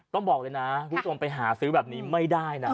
ต้องบอกเลยนะคุณผู้ชมไปหาซื้อแบบนี้ไม่ได้นะ